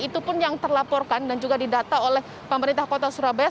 itu pun yang terlaporkan dan juga didata oleh pemerintah kota surabaya